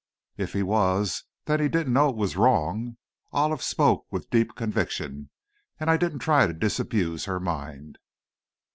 "If he was, then he didn't know it was wrong." Olive spoke with deep conviction, and I didn't try to disabuse her mind.